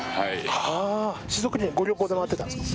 静岡県はご旅行で回ってたんですか？